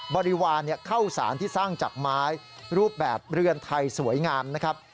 บริวารเข้าสารที่สร้างจากไม้รูปแบบเรือนไทยสวยงามนะครับ